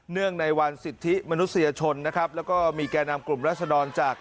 งในวันสิทธิมนุษยชนนะครับแล้วก็มีแก่นำกลุ่มรัศดรจาก